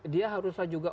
dia haruslah juga